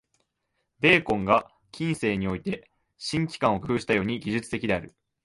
ベーコンが近世において「新機関」を工夫したように、技術的である。